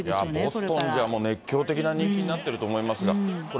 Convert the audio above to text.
やっぱりボストンじゃ熱狂的な人気になってると思いますが、これ、